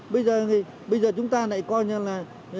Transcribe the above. bây giờ chúng ta lại coi như là